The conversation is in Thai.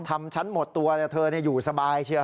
ทำชั้นหมดตัวแต่เธอเนี่ยอยู่สบายเชียว